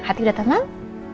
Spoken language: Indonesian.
hati udah tenang